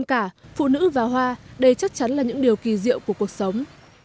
cả phụ nữ và hoa đây chắc chắn là những điều kỳ diệu của cuộc sống